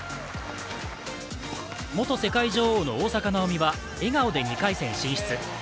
元世界女王の大坂なおみは笑顔で２回戦進出。